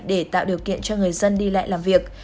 để tạo điều kiện cho người dân đi lại làm việc